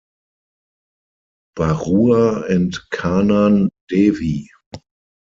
Barua and Kanan Devi.